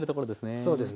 そうですね。